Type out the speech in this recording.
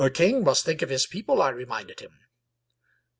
A king must think of his people," I reminded him.